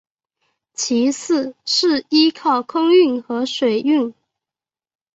其次是依靠空运和水运。